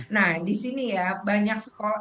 nah di sini ya banyak sekolah